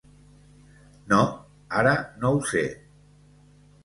No, ara no ho sé.